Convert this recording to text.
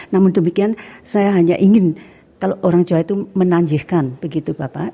namun demikian saya hanya ingin kalau orang jawa itu menanjihkan begitu bapak